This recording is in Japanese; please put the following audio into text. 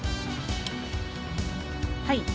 はい。